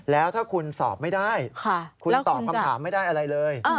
แล้วถ้าคุณสอบไม่ได้คุณตอบคำถามไม่ได้อะไรเลย